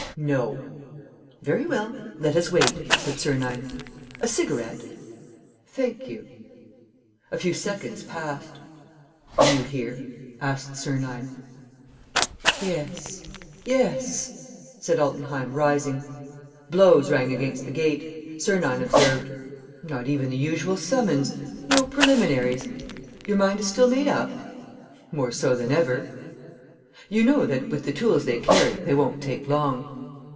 "No." "Very well. Let us wait," said Sernine. "A cigarette?" "Thank you." A few seconds passed. "Do you hear?" asked Sernine. "Yes ... yes ..." said Altenheim, rising. Blows rang against the gate. Sernine observed: "Not even the usual summons ... no preliminaries. ... Your mind is still made up?" "More so than ever." "You know that, with the tools they carry, they won't take long?"